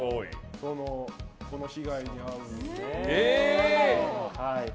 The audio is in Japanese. この被害に遭うのは。